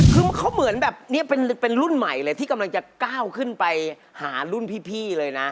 คือเขาเหมือนแบบนี้เป็นรุ่นใหม่เลยที่กำลังจะก้าวขึ้นไปหารุ่นพี่เลยนะ